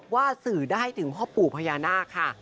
ว่าสื่อได้ถึงพ่อปู่พญานาคค่ะ